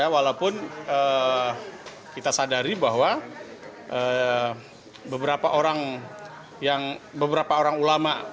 walaupun kita sadari bahwa beberapa orang ulama